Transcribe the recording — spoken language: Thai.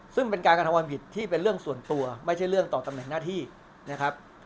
ซึ่งเป็นการกระทำความผิดที่เป็นเรื่องส่วนตัวไม่ใช่เรื่องต่อตำแหน่งหน้าที่นะครับ